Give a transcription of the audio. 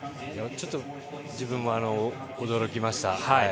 ちょっと自分も驚きました。